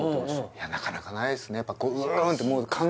いやなかなかないですね